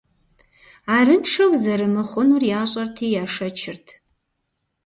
Арыншэу зэрымыхъунур ящӏэрти яшэчырт.